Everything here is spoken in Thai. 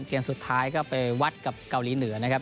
เกมสุดท้ายก็ไปวัดกับเกาหลีเหนือนะครับ